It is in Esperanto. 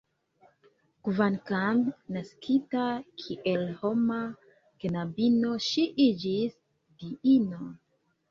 Kvankam naskita kiel homa knabino, ŝi iĝis diino.